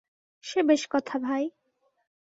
সে বেশ কথা, ভাই!